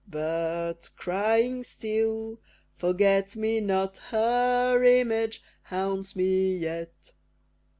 But, crying still, "Forget me not," Her image haunts me yet.